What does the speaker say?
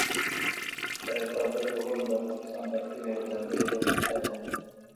پابندي غرونه د افغانستان د اقلیم یوه ځانګړې ځانګړتیا ده.